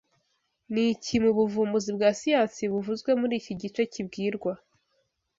Niki mubuvumbuzi bwa siyansi buvuzwe muriki gice kibwirwa